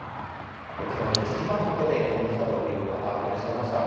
車で１時間かけて買いに来たという方がいらっしゃいました。